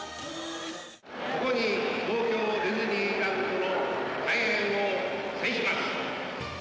ここに東京ディズニーランドの開園を宣します。